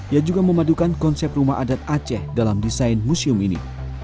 ia juga memadukan konsep rumah adat aceh dalam desain museum ini